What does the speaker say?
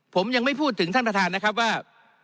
ผมยังไม่พูดถึงท่านประธานนะครับว่า